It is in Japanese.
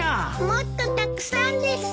もっとたくさんです。